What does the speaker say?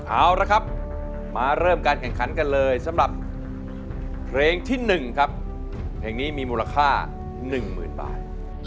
เอาละครับมาเริ่มการแข่งขันกันเลยสำหรับเพลงที่๑ครับเพลงนี้มีมูลค่า๑๐๐๐บาท